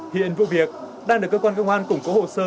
hiện vụ việc đang được cơ quan công an củng cố hồ sơ